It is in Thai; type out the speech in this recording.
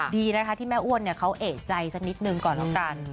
ดีนะคะที่แม่อ้วนเขาเอกใจสักนิดนึงก่อนแล้วกัน